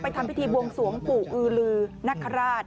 ทำพิธีบวงสวงปู่อือลือนักคราช